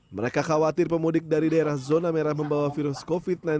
mereka khawatir pemudik dari daerah zona merah membawa virus covid sembilan belas